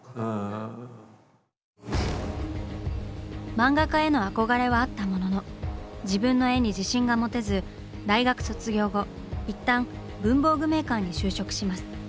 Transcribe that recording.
漫画家への憧れはあったものの自分の絵に自信が持てず大学卒業後一旦文房具メーカーに就職します。